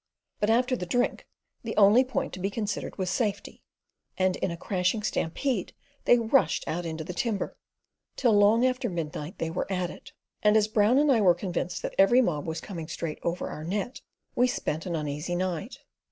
But after the drink the only point to be considered was safety, and in a crashing stampede they rushed out into the timber. Till long after midnight they were at it, and as Brown and I were convinced that every mob was coming straight over our net, we spent an uneasy night.